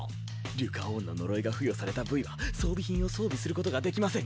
「リュカオーンの呪いが付与された部位は装備品を装備することができません